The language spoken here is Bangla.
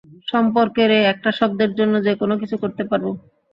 সম্পর্কের এই একটা শব্দের জন্য যেকোন কিছু করতে পারবো।